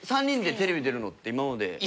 ３人でテレビ出るのって今まで。